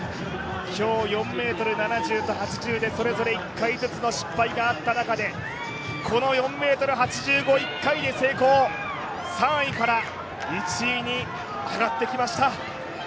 今日、４ｍ７０と８０でそれぞれ１回ずつの失敗があった中で、この４ｍ８５１回で成功、３位から１位に上がってきました。